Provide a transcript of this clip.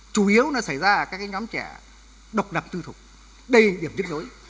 chủ yếu xảy ra các nhóm trẻ độc lập tư thục đây là điểm chức nối